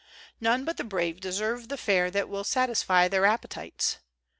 None but the brave deserve the fare that will satisfy their appetites.